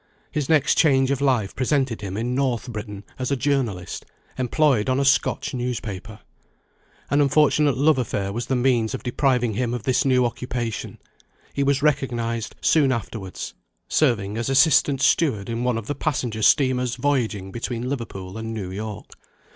His next change of life presented him in North Britain as a journalist, employed on a Scotch newspaper. An unfortunate love affair was the means of depriving him of this new occupation. He was recognised, soon afterwards, serving as assistant steward in one of the passenger steamers voyaging between Liverpool and New York.